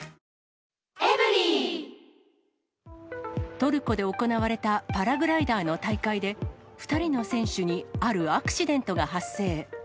トルコで行われたパラグライダーの大会で、２人の選手にあるアクシデントが発生。